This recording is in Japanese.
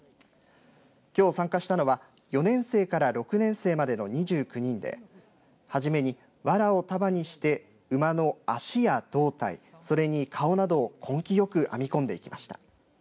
きょう参加したのは４年生から６年生までの２９人ではじめに、わらを束にして馬の脚や胴体それに、顔などを根気よく編み込んでいきました。